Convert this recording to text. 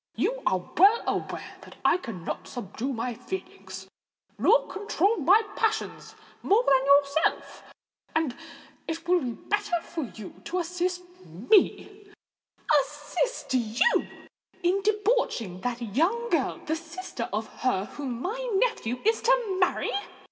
You are well aware that I cannot subdue my feelings, nor control my passions more than yourself; and it will be better for you to assist me——" "Assist you in debauching that young girl—the sister of her whom my nephew is to marry!"